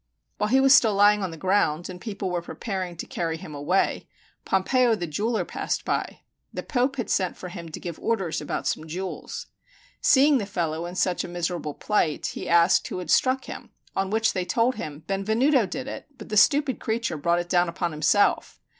While he was still lying on the ground, and people were preparing to carry him away, Pompeo the jeweler passed by. The Pope had sent for him to give orders about some jewels. Seeing the fellow in such a miserable plight, he asked who had struck him; on which they told him, "Benvenuto did it, but the stupid creature brought it down upon himself."